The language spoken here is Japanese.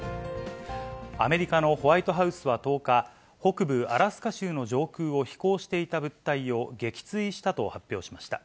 アメリカのホワイトハウスは１０日、北部アラスカ州の上空を飛行していた物体を撃墜したと発表しました。